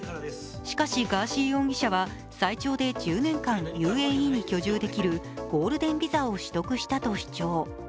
しかし、ガーシー容疑者は最長で１０年間、ＵＡＥに滞在できるゴールデンビザを取得したと主張。